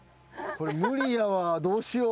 これ無理やわどうしよう。